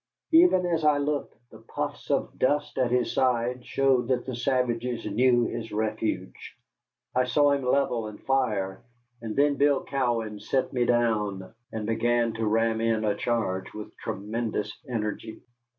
Even as I looked the puffs of dust at his side showed that the savages knew his refuge. I saw him level and fire, and then Bill Cowan set me down and began to ram in a charge with tremendous energy.